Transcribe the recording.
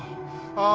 ああ！